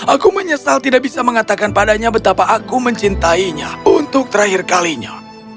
aku menyesal tidak bisa mengatakan padanya betapa aku mencintainya untuk terakhir kalinya